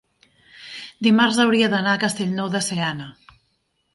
dimarts hauria d'anar a Castellnou de Seana.